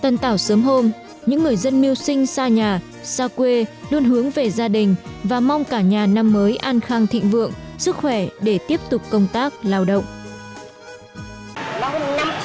tân tạo sớm hôm những người dân mưu sinh xa nhà xa quê luôn hướng về gia đình và mong cả nhà năm mới an khang thịnh vượng sức khỏe để tiếp tục công tác lao động